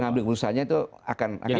pengambil keputusannya itu akan bingung